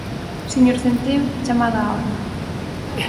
Señor Centeo, chamado á orde.